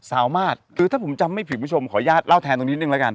สามารถคือถ้าผมจำไม่ผิดคุณผู้ชมขออนุญาตเล่าแทนตรงนี้หนึ่งแล้วกัน